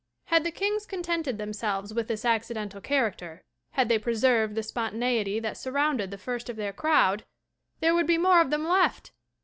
Had the kings contented themselves with this accidental character, had they preserved the spontaneity that surrounded the first of their crowd, there would be more of them left!